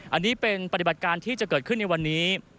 อันนี้เป็นปฏิบัติการที่จะเกิดขึ้นในวันนี้